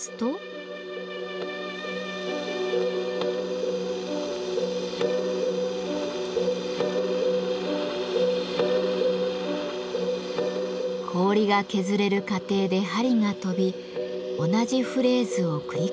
氷が削れる過程で針が飛び同じフレーズを繰り返すようになります。